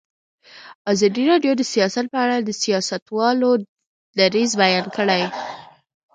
ازادي راډیو د سیاست په اړه د سیاستوالو دریځ بیان کړی.